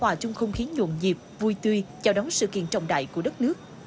hòa chung không khí nhuộn nhịp vui tươi chào đón sự kiện trọng đại của đất nước